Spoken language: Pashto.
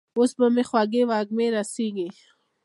اوس به يې خوږې وږمې رسېږي.